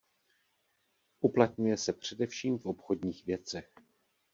Uplatňuje se především v obchodních věcech.